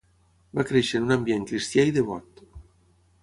Va créixer en un ambient cristià i devot.